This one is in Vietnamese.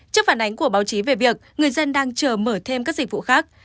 trước phản ánh của báo chí về việc người dân đang chờ mở thêm các dịch vụ khác